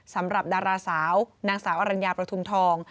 สำหรับดาราสาวนางสาวอรัญญาประทุมทอง